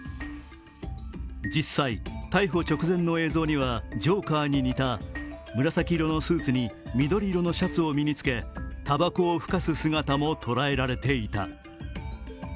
実際、逮捕直前の映像にはジョーカーに似た紫色のスーツに緑色のシャツを身につけたばこを吹かす姿も捉えられていた。